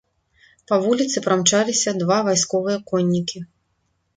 Па вуліцы прамчаліся два вайсковыя коннікі.